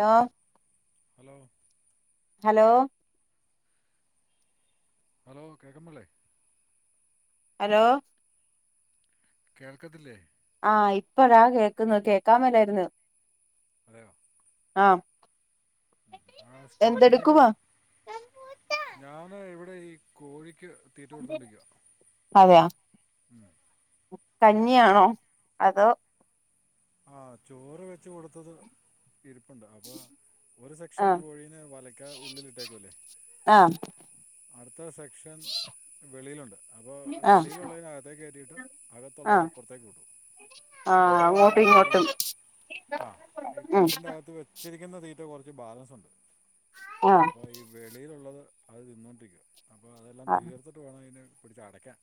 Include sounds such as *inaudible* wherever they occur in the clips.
Hello hello hello hello കേക്കാൻ പാടില്ലെ hello കേൾക്കത്തില്ലേ ആഹ് ഇപ്പഴാ കേൾക്ക ത് കേക്കാൻ മേലായിരുന്നു അതെയോ ആം ആ സ്റ്റാർട്ടിങ്ങില് ഞാന് ഇവിടെ ഈ കോഴിക്ക് തീറ്റ കൊടുത്തോണ്ടിരിക്കുക അതെയോ കഞ്ഞിയാണോ അതോ ആ ചോറ് വെച്ച് കൊടുത്തത് ഇരിപ്പുണ്ട് അപ്പൊ ഒരു സെക്ഷൻ ആഹ് കോഴീനേ വലക്കാ ഉള്ളിലിട്ടേക്കൂ അല്ലേ ആഹ് അടുത്ത സെക്ഷൻ വെളിയിലുണ്ട് അപ്പോ ആഹ് വെളിയിലുള്ളതിന പുറത്തേക്ക്‌ കേറ്റിട്ട് ആഹ് അകത്തുള്ളതിനെ പുറത്തേക്ക് വിട്ടു ആഹ് അപ്പോ അങ്ങോട്ടും ഇങ്ങോട്ടും ഈആഹ് ഈ ഉം കൂടിനകത്ത് ത്ത് വെച്ചിരിക്കുന്ന തീറ്റ കുറച്ച് ബാലൻസ് ഉണ്ട് ആഹ് അപ്പോ ഈ വെളിയിലുള്ളത് അത് തിന്നോണ്ടിരിക്കും അപ്പോൾ അതെല്ലാം ആഹ് തീർത്തിട്ട് വേണം അതിനെ പിടച്ച് അടയ്ക്കാൻ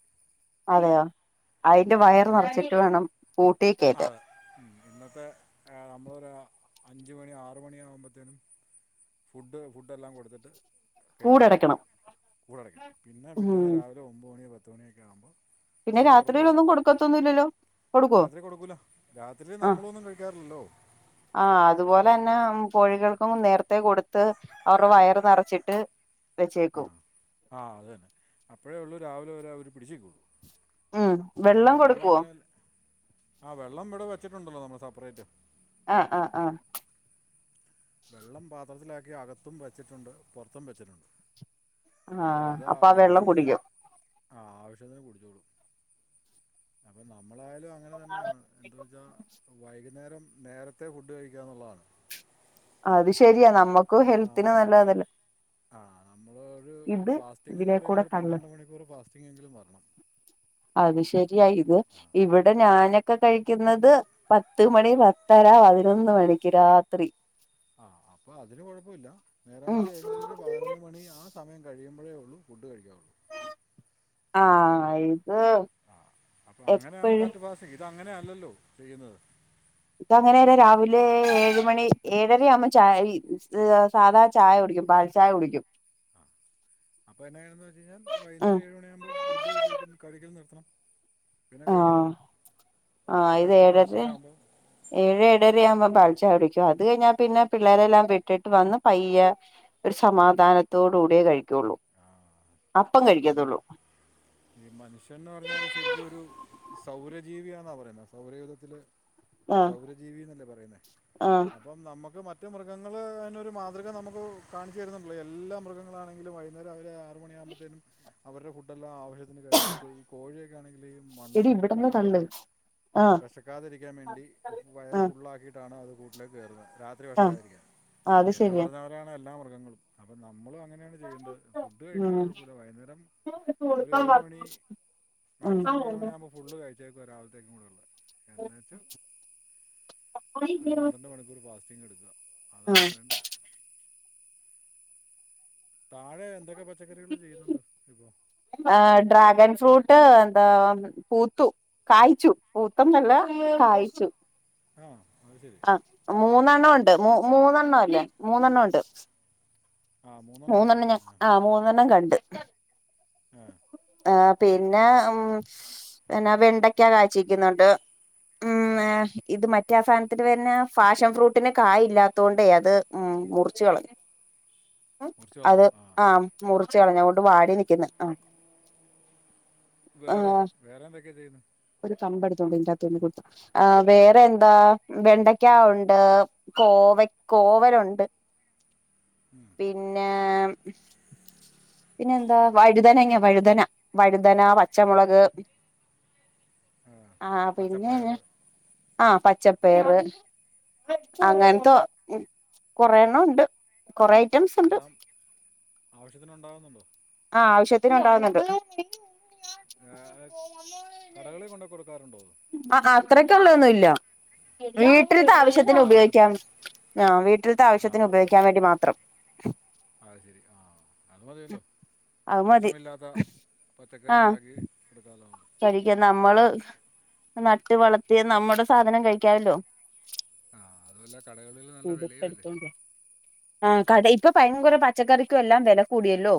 അതെയോ അതിന്റെ വയർ കൂട്ടിലടയ്ക്കാൻ നിറച്ചിട്ട് വേണം കൂട്ടി കേറ്റാൻ അതെ ഉം ഇന്നത്തെ ഏ അഞ്ച് മണി ആറ് മണിയാകുമ്പത്തേനും ഫുഡ് ഫുഡല്ലാം കൊടുത്തിട്ട് കേറ്റിയടയ്ക്കും കൂടടയ്ക്കണം കൂട് അടയ്ക്കും പിന്നെ ഉം പിറ്റേന്ന് രാവിലെ ഒമ്പത് മണി പത്ത്മണിയൊക്കെയാകുമ്പം പിന്നെ അപ്പഴേ തുറക്കുള്ളൂ രാത്രിയിലൊന്നും കൊടുക്കത്തൊന്നുല്ലല്ലോ കൊടുക്കോ രാത്രി കൊടുക്കൂല രാത്രി നമ്മളൊന്നും കഴിക്കാറില്ലല്ലോ ആ അതുപോലെ തന്നെ കോഴികൾക്കും നേരത്തെ കൊടുത്ത് അവരുടെ വയറ് നിറച്ചിട്ട് വെച്ചേക്കും ആഹ് ആഹ് അത് തന്നെ അപ്പോഴേ ഉള്ളൂ രാവിലെ വരെ അവർ പിടിച്ച് നിക്കുള്ളു ഉം അപ്പൊ വെള്ളം നമ്മള കൊടുക്കുവോ അങ്ങനെ ല്ലെ ആഹ് വെള്ളം ഇവിടെ വെച്ചിട്ടുണ്ടല്ലോ നമ്മൾ സെപ്പറേറ്റ് ആഹ്ആഹ് ആ വെള്ളം പാത്രത്തിലാക്കി അകത്തും വെച്ചിട്ടുണ്ട് പുറത്തും വെച്ചിട്ടുണ്ട് അപ്പൊ ആഹ് അത് ആ വെള്ളം ആവശ്യത്തിന് കുടിക്കും ആ ആവശ്യത്തിന് കുടിച്ചോളും അപ്പം നമ്മളായാലും അങ്ങനെ തന്നെയാണ് എന്ത് വെച്ചാ വൈകുന്നേരം നേരത്തെ ഫുഡ് കഴിക്കാന്നുള്ളതാണ് അത് ശരിയാ നമ്മുക്കും ഹെൽത്തിന് നല്ലതല്ലേ ആഹ് നമ്മൾ ഒരു ഫാസ്റ്റിംഗ് എന്ന് ഇതിലെ പറയുമ്പോൾ കൂടെ ഒരു കള്ള് പന്ത്രണ്ട് മണിക്കൂർ ഫാസ്റ്റിംങ്ങെങ്കിലും വരണം അത് ശരിയായി ഇത് ഇവിടെ ഞാനൊക്കെ കഴിക്കുന്നത് പത്ത് മണി പത്തര പതിനൊന്ന് മണിക്ക് രാത്രി ആഹ് അപ്പൊ അതിന് കുഴപ്പം ഇല്ല നേരം ഉം വെൾത്ത് എഴുന്നേറ്റ് ഒരു പതിനൊന്ന് മണി ആ സമയം കഴിയുമ്പോഴേ ഉള്ളൂ ഫുഡ് കഴിക്കുകയുള്ളൂ ആഹ ഇത് ആഹ് അപ്പൊ അങ്ങനെ ആകുമ്പ എപ്പഴും കറക്റ്റ് ഫാസ്റ്റിങ് ഇത് അങ്ങനെയല്ലല്ലോ ചെയ്യുന്നത് ഇത് അങ്ങനെല്ല രാവിലെ ഏഴ് മണി ഏഴര ആവുമ്പോ ചായ് ഇത് സാധാ ചായ കുടിക്കും പാൽ ചായ കുടിക്കും അപ്പൊ എന്നാ ചെയ്യണംന്ന് വെച്ച് കഴിഞ്ഞാൽ ഉം വൈന്നേരം ഏഴുമണിയാകുമ്പോൾ ഫുഡ് കഴിക്കല് നിർത്തണം പിന്നെ കഴിക്കരുത് ആഹ് അപ്പൊ ആഹ് ഇത് കറക്റ്റ് ഏഴര ഫാസ്റ്റിംഗ് ആമ്പോ ഏഴ് ഏഴര ആവുമ്പ പാൽ ചായ കുടിക്കും അത് കഴിഞ്ഞാൽ പിന്നെ പിള്ളേരെല്ലാം വിട്ടിട്ട് വന്ന് പയ്യേ ഒരു സമാധാനത്തോട് കൂടിയേ കഴിക്കുള്ളൂ ആഹ് അപ്പം കഴിക്കത്തുള്ളൂ ഈ മനുഷ്യൻന്ന് പറഞ്ഞാല് ശരിക്കും ഒരു സൗരജീവിയാന്നാ പറയുന്നത് സൗരയുഗത്തില് ആഹ് സൗരജീവിന്നല്ലേ പറയുന്നേ ആഹ് അപ്പം നമുക്ക് മറ്റ് മൃഗങ്ങൾ അതിനൊരു മാതൃക നമുക്ക് കാണിച്ചു തരുന്നുണ്ടല്ലോ എല്ലാ മൃഗങ്ങളാണെങ്കിലും അന്നേരം അവര് ആറ് മണി ആകുമ്പോത്തേനും അവരുടെ ഫുഡ്ല്ലാം ആവശ്യത്തിന് കഴിച്ചിട്ട് ഈ കോഴി ആണെങ്കിൽ ഈ എടി മണ്ണും ഇവിടന്ന് കല്ലും തള്ള് ഒക്കെ ആഹ് വെശക്കാതിരിക്കാൻ വേണ്ടി വയറ് ആഹ് ഫുള്ള് ആക്കിയിട്ടാണ് അത് കൂട്ടിലേക്ക് കേറുന്നത് രാത്രി ആഹ് വെശക്കാതിരിക്കാൻ അത് എന്ന് ശരിയാ പറഞ്ഞവരാണ് എല്ലാ മൃഗങ്ങളും അപ്പം നമ്മളും അങ്ങനെയാണ് ചെയ്യേണ്ടത് ഫുഡ് ഉം കഴിക്കണേന് കുഴപ്പമില്ല വൈന്നേരം ഒരു ഏഴ് മണി ഉം മാക്സിമം ഏഴ് മണി ആമ്പൊ ഫുള്ള് കഴിച്ചേക്കാണ് രാവിലത്തെക്കും കൂടി ഉള്ളത് എന്നേച്ച് ഒരു പന്ത്രണ്ട് മണിക്കൂർ ഫാസ്റ്റിംഗ് എടുക്കുക അതാണ് വേണ്ടത് താഴെ എന്തൊക്കെ പച്ചക്കറികൾ ചെയ്യുന്നുണ്ട് ഇപ്പോ ഡ്രാഗൺ ഫ്രൂട്ട് എന്താ പൂത്തു കായ്ച്ചു പൂത്തെന്നല്ല കായ്ച്ചു ആഹ അത് ശരി മൂന്നെണ്ണം ഉണ്ട് മൂന്നെണ്ണം അല്ലേ മൂന്നെണ്ണം ഉണ്ട് ആ അല്ലേ മൂന്നെണ്ണം ഞാൻ ആ ആ ആഹ് മൂന്നെണ്ണം കണ്ട് ഏഹ് ആഹ് പിന്നെ ഉം എന്നാ വെണ്ടക്ക കാചിക്കുന്നുണ്ട് ഉം ആ, ഏഹ് ഇത് മറ്റേ ആ സാന ത്തിന്റെ പേരെന്നാ ഫാഷൻ ഫ്രൂട്ടിന് കായ് ഇല്ലാത്തു കൊണ്ടേ അത് ഉം മുറിച്ച് കളഞ്ഞു മുറിച്ച് അത് കളഞ്ഞു ആ ആഹ മുറിച്ച് കളഞ്ഞു അങ്ങോട്ട് വാടി നിക്കുന്ന് ആഹ് വേറെ ആഹ് വേറെ എന്തൊക്കെ ചെയ്യുന്ന് ഒരു കമ്പടുത്തുണ്ട് ഇതിന്റാത്തൊന്ന് കുത്ത് ആഹ് വേറെ എന്താ വെണ്ടയ്ക്കാ ഒണ്ട് കോവ കോവലുണ്ട് ഉം പിന്നെ പിന്നെ എന്താ വഴുതനങ്ങ വഴുതന വഴുതനാ പച്ചമുളക് *inaudible* ആഹ് പിന്നെ പച്ചപ്പയർ എന്നാ ആഹ പച്ച പയറ് ആ അങ്ങന്ത്ത കൊറേ എണ്ണം ഉണ്ട് കൊറേ എല്ലാം ആവശ്യത്തിന് ഉണ്ടാവുന്നുണ്ടോ ആഹ് ആവശ്യത്തിന് ഉണ്ടാവുന്നുണ്ട് കടകളിൽ കൊണ്ടേ കൊടുക്കാറുണ്ടോ അത് ആ അത്രക്കുള്ളതൊന്നും ഇല്ല ഏ, വീട്ടിൽത്തെ ആവശ്യത്തിന് വീട്ടാവശ്യത്തിന് ഉപയോഗിക്കാം ആഹ് വീട്ടിലത്തെ ആ ആവശ്യത്തിന് ഉപയോഗിക്കാൻ വേണ്ടി മാത്രം അത് ശെരി ആഹ് അത് മതിയല്ലോ അത് മതി വിഷമില്ലാത്ത പച്ചക്കറി ഉണ്ടാക്കി എടുക്കാലോ കഴിക്കാം നമ്മള് നട്ട് വളർത്തിയ നമ്മുടെ സാധനം കഴിക്കാവല്ലോ ആഹ് അതുമല്ല കടകളിൽ നല്ല വിലയും അല്ലേ ആഹ് കട ഇപ്പൊ ഭയങ്കര പച്ചക്കറിക്കും എല്ലാം വില കൂടിയല്ലോ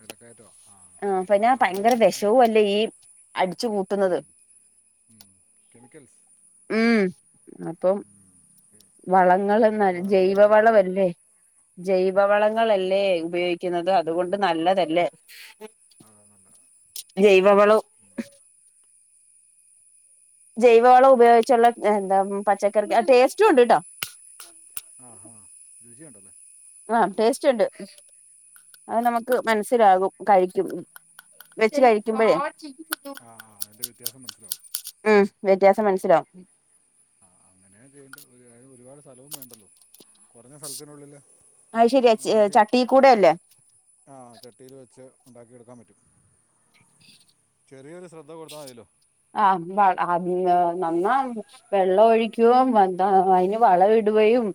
വിലക്കയറ്റവാ ആ ആഹ് അപ്പൊ പിന്നെ അങ്ങനെ ഭയങ്കര വെച്ച് നോക്കുമ്പോ വിഷവും അല്ലേ ഈ അടിച്ചു ഉം കൂട്ടുന്നത് ഉം കെമിക്കൽസ് ഉം അപ്പം ഉം വളങ്ങൾ ജൈവവളവല്ലേ മൊത്തം ആ ശരി ജൈവവളങ്ങളല്ലേ ഉപയോഗി ക്കുന്നത് അതുകൊണ്ട് നല്ലതല്ലേ നല്ല ജൈവവളം പിന്നെ ജൈവവളം ഉപയോഗിച്ചുള്ള എന്താ പച്ചക്കറി ആ ടേസ്റ്റും ഉണ്ട് കേട്ടോ ആഹ് ആഹ് രുചി ഉണ്ടല്ലേ ആഹ്‌ ടേസ്റ്റ് ഉണ്ട് അത് നമുക്ക് മനസ്സിലാകും കഴിക്കും വെച്ച് കഴിക്കുമ്പഴേ ആ ആ അതിൻ്റെ വ്യത്യാസം മനസ്സിലാവും ഉം വ്യത്യാസം മനസ്സിലാവും ആഹ്‌ അങ്ങനെയ ചെയ്യണ്ടത് ഒരു അതിന് ഒരുപാട് സ്ഥലവും വേണ്ടല്ലോ കുറഞ്ഞ സ്ഥലത്തിനുള്ളില് അത് ശരിയാ നമുക്ക് ചട്ടി കൂടെ അല്ലേ ആഹ്‌ ചട്ടിയില് വെച്ച് ഉണ്ടാക്കിയെടുക്കാൻ പറ്റും ചെറിയൊരു ശ്രദ്ധ കൊടുത്താ മതിയല്ലോ ആഹ്‌ അത് നന്നാ വെള്ളം ഒഴിക്കുവേയും എന്താ അതിന് വളം ഇടുകയും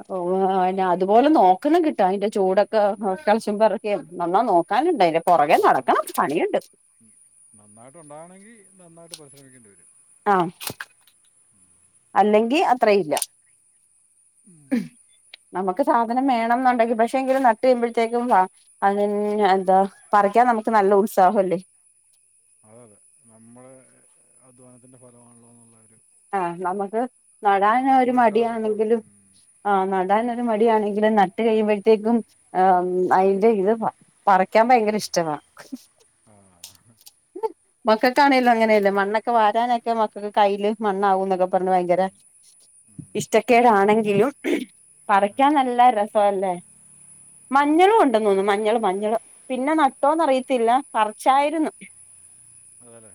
അപ്പോ അയിനെ അതുപോലെ നോക്കണം കിട്ടാൻ അതിന്റെ ചൊവടൊക്കെ കെളച്ചും പെറക്കിയും നന്നാ നോക്കാനുണ്ട് അതിന്റെ പുറകെ നടക്കണം പണിയുണ്ട് ഉം നന്നായിട്ട് ഉണ്ടാകണമെങ്കിൽ നന്നായിട്ട് പരിശ്രമിക്കേണ്ടി വരും ആഹ്‌ അല്ലെങ്കിൽ അത്രയില്ല നമുക്ക് സാധനം വേണോന്നുണ്ടെങ്കിൽ പക്ഷെ എങ്കിലും നട്ട് കഴിയുമ്പോഴത്തേക്കും വാ അതന്നെ അതാ പറിക്കാൻ നമുക്ക് നല്ല ഉത്സാഹം അല്ലേ അതെ അതെ നമ്മടെ അധ്വാനത്തിന്റെ ഫലമാണല്ലോ എന്നുള്ള ഒരു ആഹ്‌ നമുക്ക് നടാൻ ഒരു ആത്മവിശ്വാസത്തോടെ മടിയാണെങ്കിലും ഉം. ആഹ്‌ അതെ നടാനൊരു അതെ മടിയാണെങ്കിലും ന ട്ട് കഴിയുമ്പോഴത്തേക്കും അതിന്റെ ഇത് പറിക്കാൻ ഭയങ്കര ഇഷ്ടവാ ആഹ്‌ മക്കൾക്കാണേലും അങ്ങനെയല്ലേ മണ്ണൊക്കെ വാരാനൊക്കെ മക്കൾക്ക് കയ്യില് മണ്ണാവൂന്ന് എന്നൊക്കെ പറഞ്ഞ് ഭയങ്കര ഇഷ്ടക്കേടാണെങ്കിലും പറിക്കാൻ നല്ല രസവല്ലേ ആ മഞ്ഞളും ഏ- ഉണ്ടെന്ന് തോന്നുന്നു മഞ്ഞള് മഞ്ഞള് പിന്നെ നട്ടോന്ന് അറിയത്തില്ല പറിച്ചായിരുന്നു അതെയല്ലേ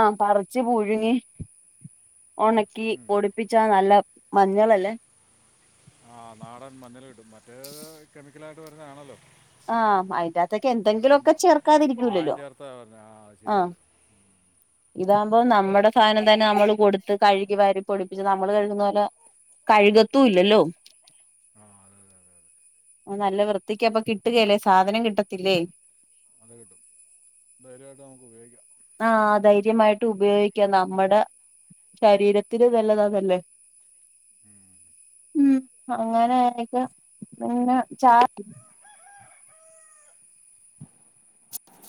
ആഹ്‌ പറിച്ച് പുഴുങ്ങി ഉണക്കി ഉം. പൊടിപ്പിച്ചാ നല്ല മഞ്ഞളല്ലേ ആഹ് നാടൻ മഞ്ഞള് കിട്ടും മറ്റേത് കെമിക്കലായിട്ട് വരുന്നതാണല്ലോ ആഹ് അയിന്റാത്തൊക്കെ ആഹ്‌ എന്തെങ്കിലുമൊക്കെ മാ മായം ചേർക്കാതിരിക്കൂലല്ലോ ചേർത്ത വരുന്നേ ആഹ്‌ ശരിയാ ആഹ് അത് ഉം ഇതാകുമ്പോ നമ്മുടെ സാനം തന്നെ നമ്മള് കൊടുത്ത് കഴുകി വരി പൊടിപ്പിച്ച് നമ്മൾ കഴുകുന്ന പോലെ കഴുകത്തും ഇല്ലല്ലോ ആഹ്‌ അതെ അതെ അതെ അതെ നല്ല വൃത്തിക്ക അപ്പൊ കിട്ടുകല്ലേ സാധനം കിട്ടത്തില്ലേ അത കിട്ടും ധൈര്യമായിട്ട് നമുക്ക് ഉപയോഗിക്കാം ആഹ്‌ ധൈര്യമായിട്ട് ഉപയോഗിക്കാാം നമ്മുടെ ശരീരത്തിന് നല്ലതാതല്ലേ ഉം ഉം അങ്ങനെ എനിക്ക് പിന്നെ ചാ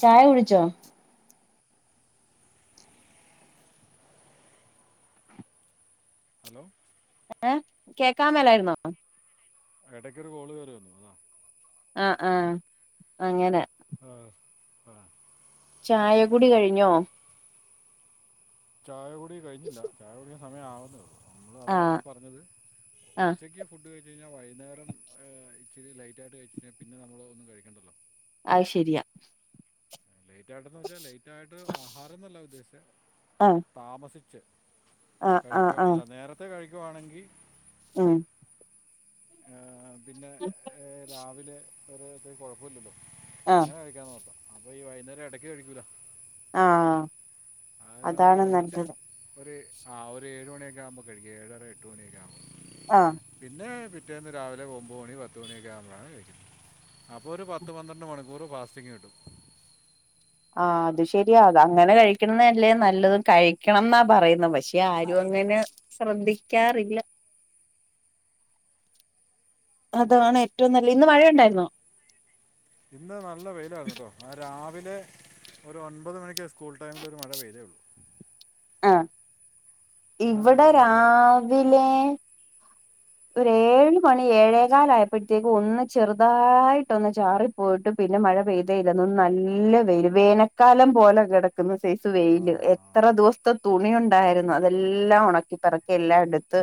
ചായ കുടിച്ചോ ഹലോ ഏഹ്‌ കേക്കാൻ മേലായിരുന്നോ ഇടയ്ക്കൊ ഒരു കോളുകേറി വന്നു അത ആഹ്‌ ആഹ്‌ അങ്ങനെ ആഹ്‌ ആഹ്‌ ചായകുടി കഴിഞ്ഞോ ചായ കുടി കഴിഞ്ഞില്ല ചായ കുടിക്കാൻ സമയം ആവുന്നേ ഉള്ളൂ നമ്മള് അതാണ് ആഹ് പറഞ്ഞത് ആഹ് ഉച്ചക്ക് ഫുഡ് ഫുഡ് കഴിച്ച് കഴിഞ്ഞ വൈന്നേരം ആ ഇച്ചിരി ലൈറ്റായിട്ട് കഴിച്ച് കഴിഞ്ഞ പിന്നെ നമ്മൾ ഒന്നും കഴിക്കണ്ടല്ലോ അഹ് ശെരിയാ ലേറ്റ് ആയിട്ടെന്ന് വെച്ചാ ലേറ്റായിട്ട് ആഹാരംന്നല്ല ഉദ്ദേശിച്ചേ ആഹ് താമസിച്ച് ആഹ് ആഹ് കഴിക്കുവ അല്ല നേരത്തെ കഴിക്കുവാണെങ്കി ആം ഏഹ് പിന്നെ ഏഹ് രാവിലെ വേറെത്തെ കൊഴപ്പം ഇല്ലല്ലോ ആഹ് അങ്ങനെ കഴിക്കാൻ നോക്കാം അപ്പൊ ഈ വൈകുന്നേരം ഇടയ്ക്ക് കഴിക്കൂല ആഹ് ആറ്നേരം അതാണ് ഒന്നിച്ച് നല്ലത് ഒര് ആഹ് ഒരു ഏഴ്മണിയൊക്കെ ആവുമ്പോ കഴിക്കാം ഒര് ഏഴര എട്ട് മണിയൊക്കെ ആവുമ്പോ ആഹ് പിന്നെ പിറ്റേന്ന് രാവിലെ ഒമ്പുമണി പത്തുമണിയൊക്കെ ആകുമ്പഴാണ് കഴിക്കുന്നത് അപ്പൊ ഒര് പത്ത് പന്ത്രണ്ട് മണിക്കൂർ ഫാസ്റ്റിംഗ് കിട്ടും ആഹ് അത് ശെരിയാ അത അങ്ങനെ കഴിക്കണതല്ലേ നല്ലത് കഴിക്കണം എന്നാ പറയ്ന്നേ പക്ഷേ ഇപ്പേ ആരു പറയുന്ന അങ്ങനെ പശു ശ്രദ്ധിക്കാറില്ല അതാണ് ഏറ്റവും നല്ലെ ഇന്ന് മഴ ഒണ്ടായിര്ന്നോ ഇന്ന് നല്ല വെയിലായിര്ന്നുട്ടോ മയ രാവിലെ ഒരു ഒൻപത് മണിക്ക് സ്കൂൾ ടൈമിൽ ഒരു മഴ പെയ്തേ ഒള്ളു ആഹ് പിന്നെ നല്ല ഇവിടെ തെളിച്ച് വളർന്നു രാവിലെ ഒര് ഏഴ് മണി ഏഴേകാലയപ്പ ഴ്ത്തേക്ക് ഒന്ന് ചെറുതായിട്ടൊന്ന് ചാറി പോയിട്ട് പിന്നെ മഴ പെയ്തേയില്ലന്ന് നല്ല വെയില്‌ വേനക്കാലം പോലെ കെട ക്ക്ന്ന സൈസ് ആ വെയില് എത്ര ദിവസ ത്തെ തുണി ഒണ്ടായിര്ന്ന് അതെല്ലാം ഒണക്കിപ്പറ്ക്കി എല്ലാം എടുത്ത്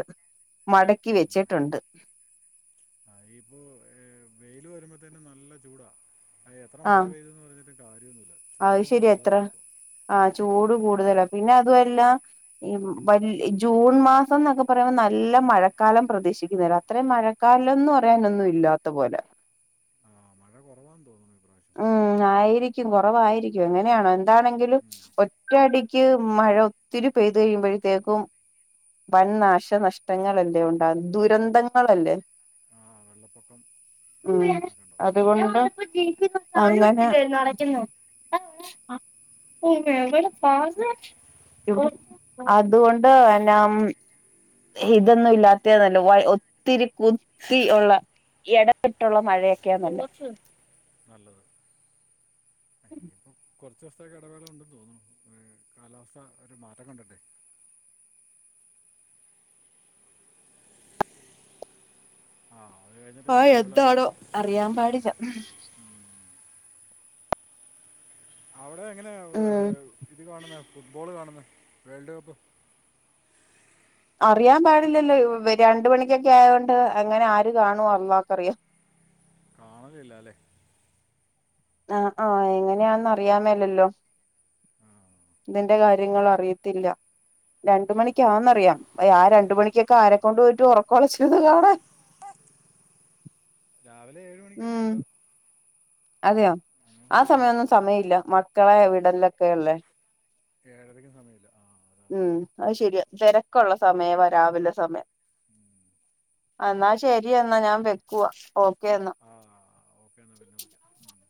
മട ക്കി വെച്ചിട്ടെണ്ട് ആയിപ്പോ ഏഹ് വെയില് വരുമ്പത്തേനും നല്ല ചൂടാ എത്ര മഴ പെയ്തെന്ന് പറഞ്ഞ് ട്ട് കാര്യന്നുല്ല അഹ് ശെരി എത്ര ആഹ് ചൂട് കൂടുതലാ പിന്നെ അതു അല്ല ഈ വല് ജൂൺ മാസന്നൊക്കെ പറയുമ്പോ നല്ല മഴക്കാലം പ്രതീക്ഷിക്കുന്നല്ലെഅത്രയും മഴ കാലന്ന് പറയാനൊന്നും ഇല്ലാത്ത പോലെ ആഹ് മഴ കൊറവാന്ന് തോന്നുന്നു ഇപ്രാവശ്യം ഉം ആയിരിക്കും കൊറവായിരിക്കും എങ്ങനെയാണോ എന്താണെങ്കിലും ഉം. ഒറ്റ അടിക്ക് മഴ ഒത്തിരി പെയ്ത് കഴിയുമ്പഴ്ത്തേക്കും വൻ നാശനഷ്ടങ്ങള അല്ലെണ്ടാകുന്നുദു--ൻ ബന്ധങ്ങളല്ലേ ആ വെള്ളപ്പൊക്കം ഏ, ഉം കാര്യങ്ങളൊക്കെ ഉണ്ടാവും അതുകൊണ്ട് *unintelligible* അങ്ങനെ *unintelligible* യവല് പാസ് *unintelligible* അതുകൊണ്ട് എന്നം ഇതൊന്നും ഇല്ലാത്തെയ തല്ലോ ഒത്തിരി കുത്തി ഒള്ള എട വിട്ടൊള്ള മഴക്കയാ നല്ലെ നല്ലത് അയിനി പ്പം കൊറചോ സത്തേക്ക് എടവേള ണ്ടെന്ന് തോന്നുണു ഏ കാലാവസ്ഥ ഒരു മാറ്റം കണ്ട്ണ്ടേ ആ അത് കഴിഞ്ഞിട്ടെ ഇനി പെയ്യോള്ളായിരിക്കും അറിയാപാടില്ല അവിടെ എങ്ങനെയാ ഉം ഇത് കാണ്ന്നെ ഫുട്ബോള് കാണ്ന്നെ വേൾഡ് കപ്പ് അറിയാമ്പാടില്ലല്ലോ ഇവര് രണ്ട് മണിക്കൊക്കെ ആയോണ്ട് എങ്ങനെ ആര് കാണും അള്ളക്കറിയാം കാണലില്ലലേ ആഹ ആഹ എങ്ങനെയാന്ന് അറിയാമേലല്ലോ ആ ന്റെ കാര്യങ്ങള അറിയത്തില്ല രണ്ട് അറിയത്തില്ല മണിക്കാന്നറിയാം ആ രണ്ടു മണിക്കൊക്ക ആരെക്കൊണ്ട് പറ്റും ഒറക്കൊളച്ചിര്ന്ന് ഹഹ കാണാൻ രാവിലെ ഏഴ് മണിക്കൊക്കെ ഉം ണ്ട് അതെയോ ആ സമയന്നും സമയം ഇല്ല മക്കളെ വിടലൊക്കെ അല്ലെ ഏഴരയ്ക്കും സമയല്ല ഉം അത് ശരിയാ തെര ക്കുള്ള സമയം വരാവില സമയം ഉം *inaudible* ആ ന്നാ ശരി എന്നാൽ ഞാൻ വെക്വാ ഓക്കെ ന്നാ ആ ഓക്കെ എന്നാൽ പിന്നെ *unintelligible*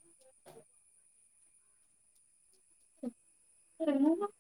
ഏ *unintelligible*